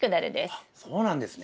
あっそうなんですね。